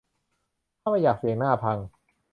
ถ้าไม่อยากเสี่ยงหน้าพัง